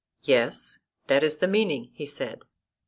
Yes; that is the meaning, he said.